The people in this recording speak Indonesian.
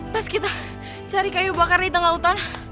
pas kita cari kayu bakar di tengah hutan